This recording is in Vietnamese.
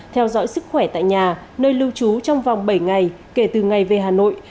theo dõi sức khỏe tại nhà nơi lưu trú trong vòng bảy ngày kể từ ngày về hà nội